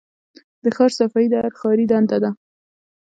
د ښار صفايي د هر ښاري دنده ده.